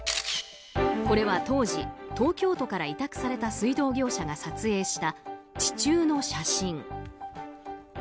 これは当時、東京都から委託された水道業者が撮影した地中の写真。